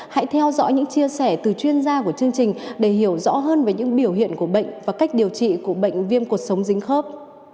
hãy theo dõi những chia sẻ từ chuyên gia của chương trình để hiểu rõ hơn về những biểu hiện của bệnh và cách điều trị của bệnh viêm cột sống dính khớp